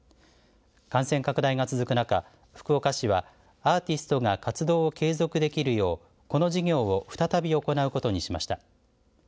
感染拡大が続く中福岡市はアーティストが活動を継続できるようこの事業を再び行うことにしました。